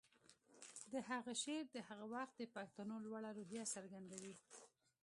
د هغه شعر د هغه وخت د پښتنو لوړه روحیه څرګندوي